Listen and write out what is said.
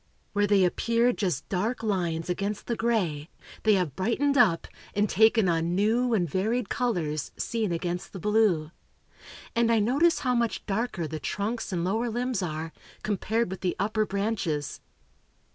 Where they appeared just dark lines against the gray, they have brightened up, and taken on new and varied colors, seen against the blue; and I notice how much darker the trunks and lower limbs are, compared with the upper branches.